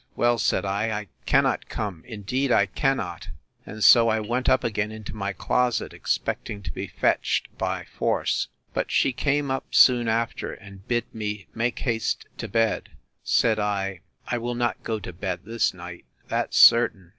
—Well, said I, I cannot come, indeed I cannot; and so I went up again into my closet, expecting to be fetched by force. But she came up soon after, and bid me make haste to bed: Said I, I will not go to bed this night, that's certain!